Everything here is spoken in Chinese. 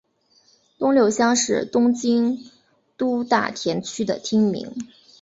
东六乡是东京都大田区的町名。